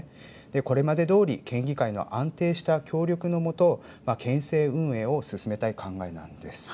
これまでどおり県議会の安定した協力のもと県政運営を進めたい考えなんです。